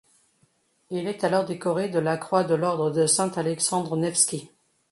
Il est alors décoré de la croix de l'Ordre de Saint-Alexandre Nevski.